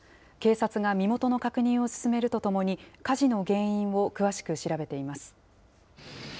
警察が身元の確認を進めるとともに、火事の原因を詳しく調べています。